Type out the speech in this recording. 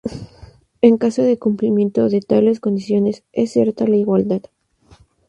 En caso de cumplimiento de tales condiciones es cierta la igualdad